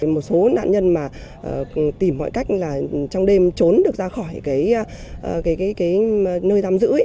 một số nạn nhân mà tìm mọi cách là trong đêm trốn được ra khỏi nơi giam giữ